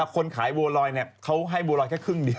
คนขายบัวลอยเขาให้บัวลอยแค่ครึ่งเดียว